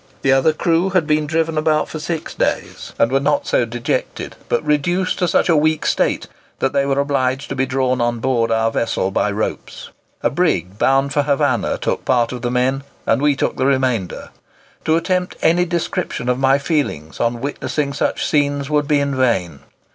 The other crew had been driven about for six days, and were not so dejected, but reduced to such a weak state that they were obliged to be drawn on board our vessel by ropes. A brig bound for Havannah took part of the men, and we took the remainder. To attempt any description of my feelings on witnessing such scenes would be in vain.